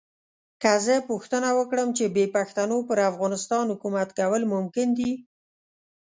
که زه پوښتنه وکړم چې بې پښتنو پر افغانستان حکومت کول ممکن دي.